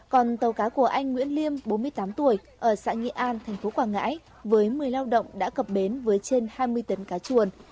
còn tàu cá của anh nguyễn liêm bốn mươi tám tuổi ở xã nghĩa an tp quảng ngãi với một mươi lao động đã gặp bến với trên hai mươi tấn cá chuồn